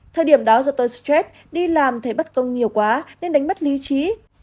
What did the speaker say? thời điểm đó do tôi stress đi làm thì bất công nhiều quá nên đánh mất lý trí